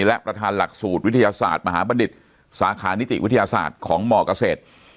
และประธานหลักสูตรวิทยาศาสตร์มหาบัณฑิตสาขานิติวิทยาศาสตร์ของหมอเกษตร